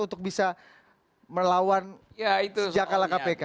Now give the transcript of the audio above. untuk bisa melawan sejak kalah kpk